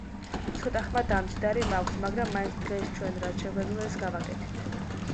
ცოტა ხმა დამჯდარი მაქვს, მაგრამ მაინც დღეს ჩვენ რაც შეგვეძლო ის გავაკეთეთ.